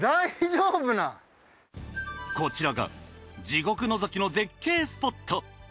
こちらが地獄のぞきの絶景スポット。